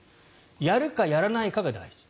やるかやらないかが大事。